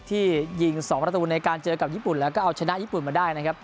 ที่ยิง๒ประตูในการเจอกับญี่ปุ่นแล้วก็เอาชนะญี่ปุ่นมาได้นะครับ